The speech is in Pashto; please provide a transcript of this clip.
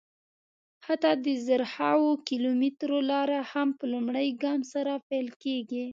حتی د زرهاوو کیلومترو لاره هم په لومړي ګام سره پیل کېږي.